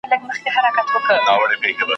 بوالعلا وو بریان سوی چرګ لیدلی `